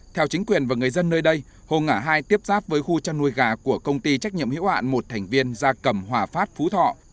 theo chính quyền và người dân nơi đây hồ ngã hai tiếp giáp với khu chăn nuôi gà của công ty trách nhiệm hiểu hạn một thành viên gia cầm hòa phát phú thọ